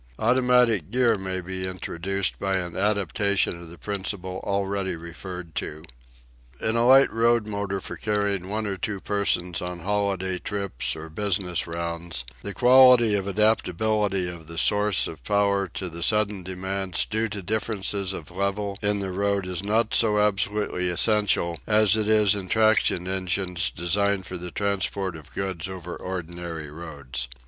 Automatic gear may be introduced by an adaptation of the principle already referred to. In a light road motor for carrying one or two persons on holiday trips or business rounds, the quality of adaptability of the source of power to the sudden demands due to differences of level in the road is not so absolutely essential as it is in traction engines designed for the transport of goods over ordinary roads.